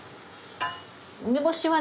梅干しはね